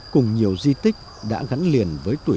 cùng nhiều di tích đã gắn liền